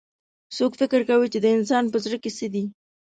څوک فکر کوي چې د انسان پهزړه کي څه دي